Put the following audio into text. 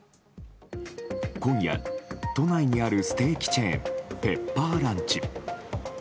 今夜、都内にあるステーキチェーンペッパーランチ。